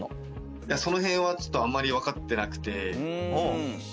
その辺はちょっとあんまり分かってなくて。